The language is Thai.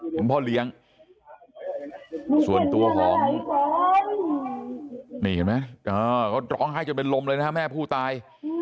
เป็นพ่อเลี้ยงส่วนตัวของนี่เห็นไหมเขาร้องไห้จนเป็นลมเลยนะฮะแม่ผู้ตาย